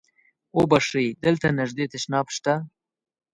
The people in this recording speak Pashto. اوبښئ! دلته نږدې تشناب شته؟